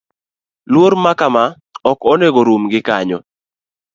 Luor ma kama ok onego orum gi kanyo.